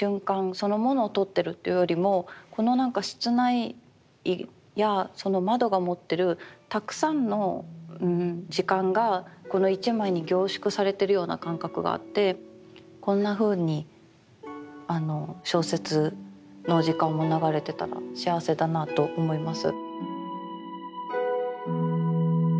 そのものをとってるっていうよりもこのなんか室内やその窓が持ってるたくさんの時間がこの一枚に凝縮されてるような感覚があってこんなふうに小説の時間も流れてたら幸せだなと思います。